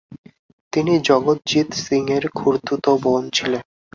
তিনি জগৎজিৎ সিংএর খুড়তুতো বোন ছিলেন।